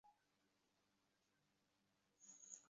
মুরসির সমর্থকদের দাবি, একই দিন জাগাজিগ শহরে আরও একজন নিহত হন।